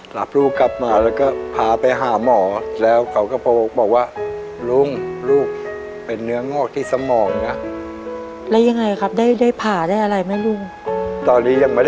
หลับลูกกลับมาแล้วก็พาไปหาหมอ